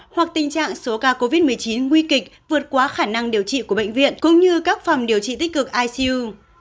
hoặc tình trạng số ca covid một mươi chín nguy kịch vượt quá khả năng điều trị của bệnh viện cũng như các phòng điều trị tích cực icu